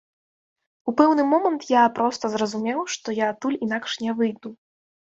У пэўны момант я проста зразумеў, што я адтуль інакш не выйду.